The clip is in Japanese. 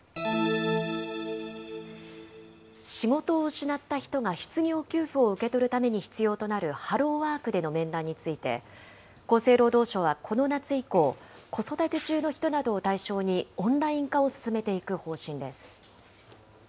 仕事を失った人が失業給付を受け取るために必要となるハローワークでの面談について、厚生労働省はこの夏以降、子育て中の人などを対象に、オンライン化を進めていく方針です。